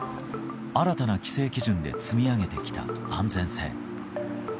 新たな規制基準で積み上げてきた安全性。